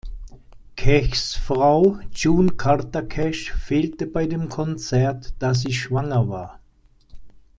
Cashs Frau June Carter Cash fehlte bei dem Konzert, da sie schwanger war.